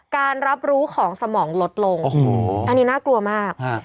การรับรู้ของสมองลดลงอันนี้น่ากลัวมาก